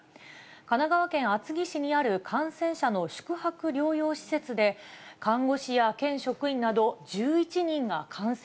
神奈川県厚木市にある感染者の宿泊療養施設で、看護師や県職員など、１１人が感染。